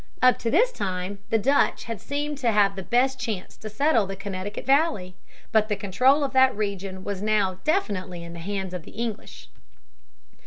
Up to this time the Dutch had seemed to have the best chance to settle the Connecticut Valley. But the control of that region was now definitely in the hands of the English.